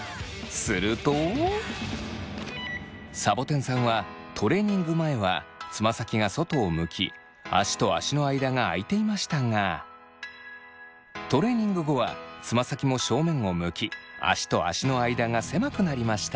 するとさぼてんさんはトレーニング前はつま先が外を向き足と足の間があいていましたがトレーニング後はつま先も正面を向き足と足の間が狭くなりました。